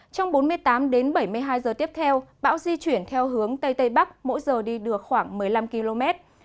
trong bốn mươi tám đến bảy mươi hai giờ tiếp theo bão di chuyển theo hướng tây tây bắc mỗi giờ đi được khoảng một mươi năm km